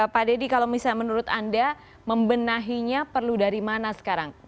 pak deddy kalau misalnya menurut anda membenahinya perlu dari mana sekarang